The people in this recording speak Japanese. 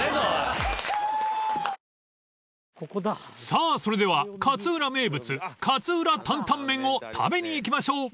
［さぁそれでは勝浦名物勝浦タンタンメンを食べに行きましょう］